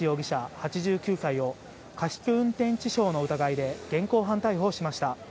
８９歳を、過失運転致傷の疑いで現行犯逮捕しました。